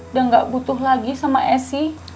dan gak butuh lagi sama esi